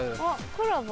コラボ？